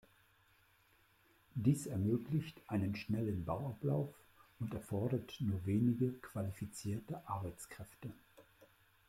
Dies ermöglicht einen schnellen Bauablauf und erfordert nur wenig qualifizierte Arbeitskräfte.